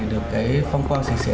được cái phong quan sạch sẽ